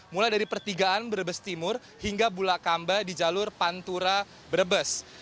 mulai dari pertigaan berbestimur hingga bulakamba di jalur pantura berbest